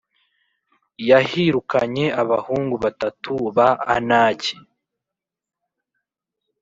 yahirukanye abahungu batatu ba Anaki.